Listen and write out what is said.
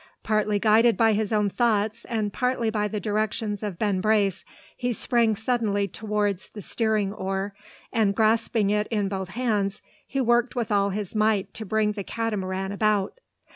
Partly guided by his own thoughts and partly by the directions of Ben Brace, he sprang suddenly towards the steering oar; and, grasping it in both hands, he worked with all his might to bring the Catamaran about.